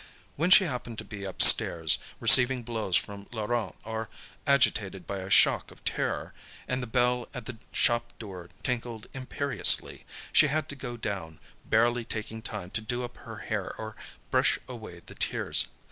When she happened to be upstairs, receiving blows from Laurent or agitated by a shock of terror, and the bell at the shop door tinkled imperiously, she had to go down, barely taking time to do up her hair or brush away the tears.